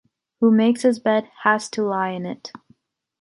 Who makes his bed, has to lie in it.